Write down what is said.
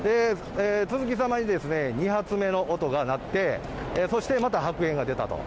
続けざまに２発目の音が鳴って、そしてまた白煙が出たと。